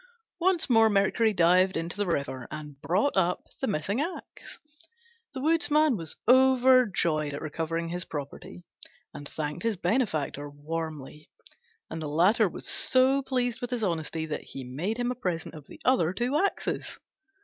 Once more Mercury dived into the river, and brought up the missing axe. The Woodman was overjoyed at recovering his property, and thanked his benefactor warmly; and the latter was so pleased with his honesty that he made him a present of the other two axes.